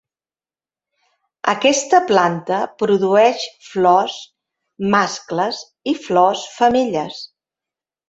Aquesta planta produeix flors mascles i flors femelles.